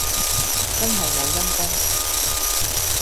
真係好冇陰公